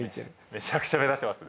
めちゃくちゃ目立ちます。